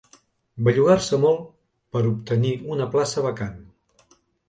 Bellugar-se molt per obtenir una plaça vacant.